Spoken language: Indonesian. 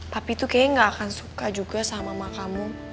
papi tuh kayaknya gak akan suka juga sama mama kamu